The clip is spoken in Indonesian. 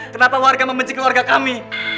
kenapa warga membenci keluarga kami